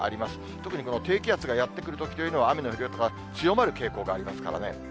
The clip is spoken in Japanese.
特にこの低気圧がやって来るときというのは、雨の降り方が強まる傾向がありますからね。